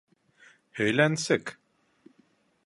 Һөйләнсек!